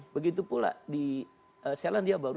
begitu pula di selandia baru